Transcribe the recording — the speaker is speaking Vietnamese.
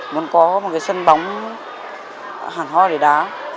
muốn có một cái sân bóng hẳn hóa để đá